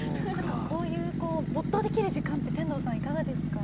こういうこう没頭できる時間って天童さんいかがですか？